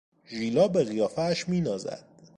ژیلا به قیافهاش مینازد.